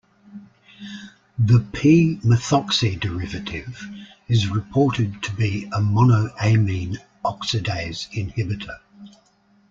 The "p"-methoxy derivative is reported to be a monoamine oxidase inhibitor.